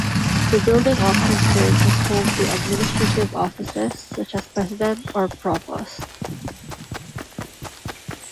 The building often serves as home to administrative offices, such as president or provost.